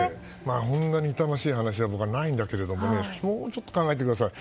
こんなに痛ましい話はないんだけどもうちょっと考えてください。